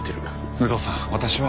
有働さん私は。